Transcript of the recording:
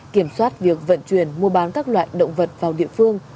kiểm soát việc vận chuyển mua bán các loại động vật vào địa phương